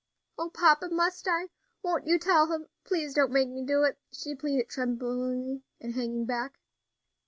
"O papa! must I? Won't you tell him? please don't make me do it," she pleaded tremblingly, and hanging back.